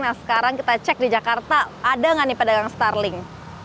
nah sekarang kita cek di jakarta ada nggak nih pedagang starling